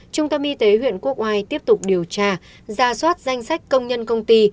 trung tâm y tế huyện quốc hoa tiếp tục điều tra giả soát danh sách công nhân công ty